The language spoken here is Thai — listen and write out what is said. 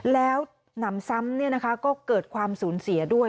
แล้วนำซ้ำเนี่ยนะคะก็เกิดความสูญเสียด้วย